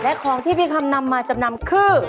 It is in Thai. และของที่พี่คำนำมาจำนำคือ